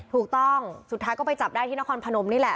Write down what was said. ถูกต้องสุดท้ายก็ไปจับได้ที่นครพนมนี่แหละ